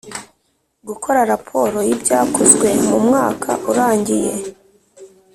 Gukora raporo y Ibyakozwe mu mwaka urangiye